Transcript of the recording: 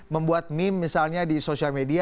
membuat meme misalnya di sosial media